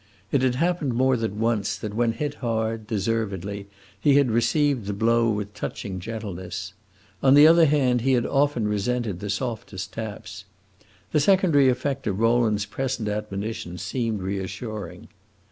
It had happened more than once that when hit hard, deservedly, he had received the blow with touching gentleness. On the other hand, he had often resented the softest taps. The secondary effect of Rowland's present admonition seemed reassuring.